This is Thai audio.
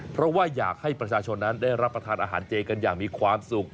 เพราะว่าอยากให้ประชาชนนั้นได้รับประทานอาหารเจกันอย่างมีความสุข